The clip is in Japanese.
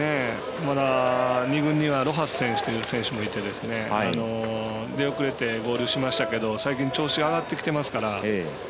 まだ２軍にはロハス選手という選手もいて出遅れて合流しましたけど最近調子が上がってきてますから。